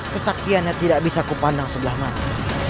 kesakiannya tidak bisa kupandang sebelah mana